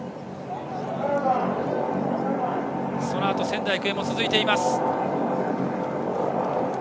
そのあと、仙台育英も続いています。